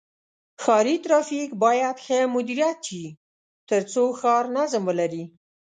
ښاري ترافیک باید ښه مدیریت شي تر څو ښار نظم ولري.